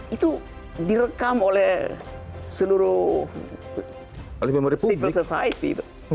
itu direkam oleh seluruh civil society